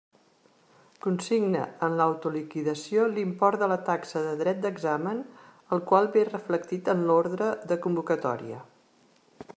Consigne en l'autoliquidació l'import de la taxa de dret d'examen, el qual ve reflectit en l'orde de convocatòria.